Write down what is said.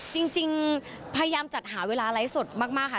จริงพยายามจัดหาเวลาไลฟ์สดมากค่ะ